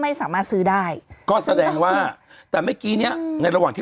ไม่สามารถซื้อได้ก็แสดงว่าแต่เมื่อกี้เนี้ยในระหว่างที่